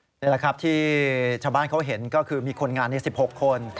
นี่แหละครับที่ชาวบ้านเขาเห็นก็คือมีคนงานใน๑๖คน